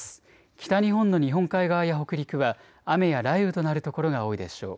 北日本の日本海側や北陸は雨や雷雨となる所が多いでしょう。